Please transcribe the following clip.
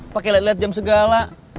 pakai liat liat jam segala